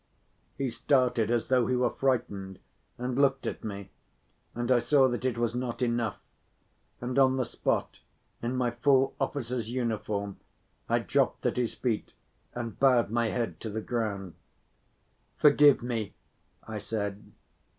He started as though he were frightened, and looked at me; and I saw that it was not enough, and on the spot, in my full officer's uniform, I dropped at his feet and bowed my head to the ground. "Forgive me," I said.